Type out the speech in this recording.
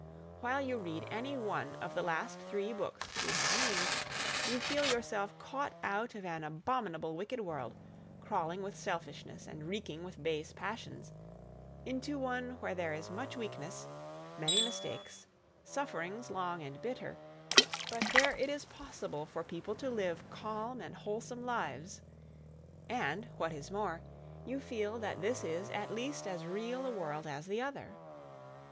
While you read any one of the last three books we have named, you feel yourself caught out of an abominable wicked world, crawling with selfishness and reeking with base passions, into one where there is much weakness, many mistakes, sufferings long and bitter, but where it is possible for people to live calm and wholesome lives; and, what is more, you feel that this is at least as real a world as the other.